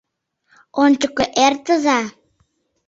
— Ончыко эртыза!